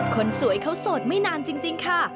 คนสวยเขาโสดไม่นานจริงค่ะ